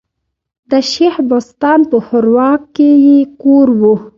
د شېخ بستان په ښوراوک کي ئې کور ؤ.